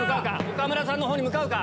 岡村さんのほうに向かうか？